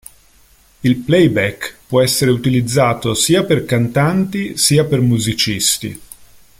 Il "playback" può essere utilizzato sia per cantanti sia per musicisti.